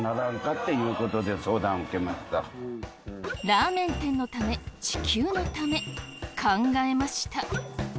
ラーメン店のため地球のため考えました。